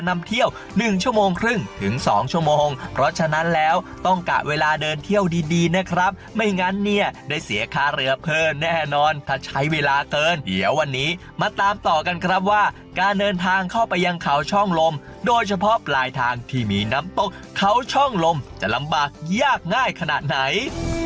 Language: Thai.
นำเที่ยวหนึ่งชั่วโมงครึ่งถึงสองชั่วโมงเพราะฉะนั้นแล้วต้องกะเวลาเดินเที่ยวดีดีนะครับไม่งั้นเนี่ยได้เสียค่าเรือเพิ่มแน่นอนถ้าใช้เวลาเกินเดี๋ยววันนี้มาตามต่อกันครับว่าการเดินทางเข้าไปยังเขาช่องลมโดยเฉพาะปลายทางที่มีน้ำตกเขาช่องลมจะลำบากยากง่ายขนาดไหน